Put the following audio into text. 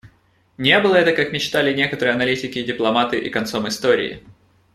Не было это, как мечтали некоторые аналитики и дипломаты, и концом истории.